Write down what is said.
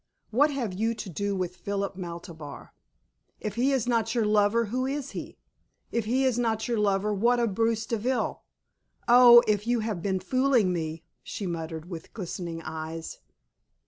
What have you to do with Philip Maltabar? If he is not your lover, who is he? If he is not your lover, what of Bruce Deville? Oh! if you have been fooling me!" she muttered, with glistening eyes.